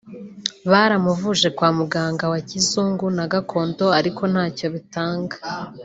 baramuvuje kwa muganga wa kizungu na gakondo ariko ntacyo bitanga